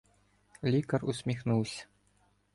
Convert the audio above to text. Лікар усміхнувся.